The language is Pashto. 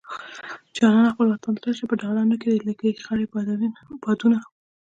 جانانه خپل وطن ته راشه په دالانونو کې دې لګي خړ بادونه